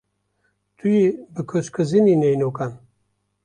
Tu yê bikûzkizînî neynokan.